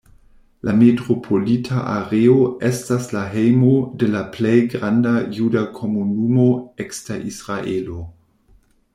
La metropolita areo estas la hejmo de la plej granda juda komunumo ekster Israelo.